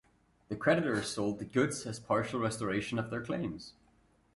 The creditors sold the goods as partial restoration of their claims.